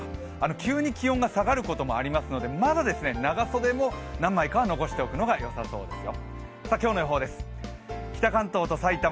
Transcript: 急に気温が下がることがありますのでまだ長袖も何枚かは残しておくのがよさそうですよ。